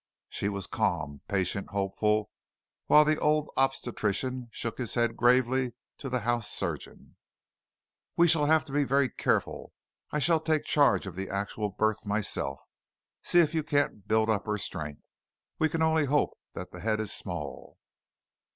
She was calm, patient, hopeful, while the old obstetrician shook his head gravely to the house surgeon. "We shall have to be very careful. I shall take charge of the actual birth myself. See if you can't build up her strength. We can only hope that the head is small."